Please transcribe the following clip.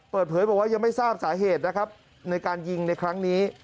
เปิดเผยบอกว่ายังไม่ทราบสาเหตุนะครับในการยิงในครั้งนี้